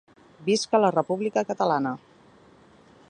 Visca la república catalana!